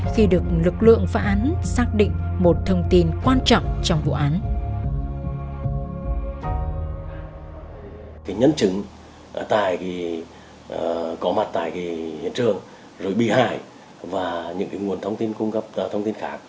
khi được lực lượng phá án xác định một thông tin quan trọng trong vụ án